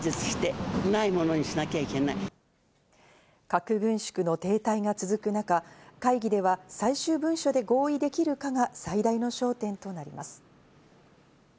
核軍縮の停滞が続く中、会議では最終文書で合意できるかが最大の焦点となります。